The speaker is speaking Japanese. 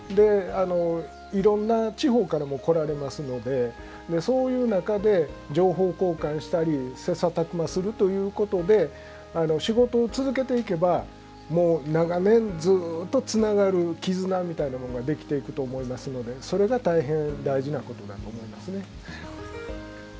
いろんな地方からも来られますのでそういう中で情報交換したり切さたく磨するということで仕事を続けていけばもう長年ずっとつながる絆みたいなものができていくと思いますのでそれが大変大事なことだと思いますね。